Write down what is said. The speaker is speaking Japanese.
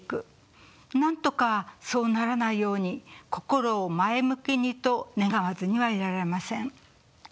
なんとかそうならないように心を前向きにと願わずにはいられません。